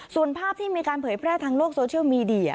ส่วนภาพที่มีการเผยแพร่ทางโลกโซเชียลมีเดีย